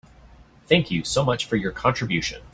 Thank you so much for your contribution.